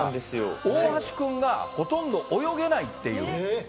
大橋君がほとんど泳げないっていう。